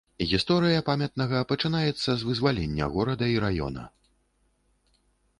Гісторыя памятнага пачынаецца з вызвалення горада і раёна.